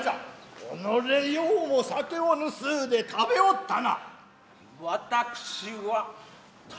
おのれようも酒を盗うで食べおったな。